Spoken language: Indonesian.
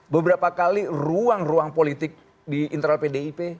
beberapa kali ruang ruang politik di internal pdip